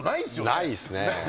ないっすね。